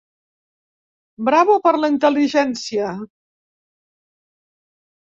Bravo per la intel·ligència.